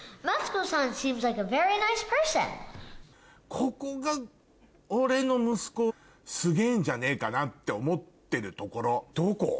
ここが俺の息子すげぇんじゃねえかなって思ってるところどこ？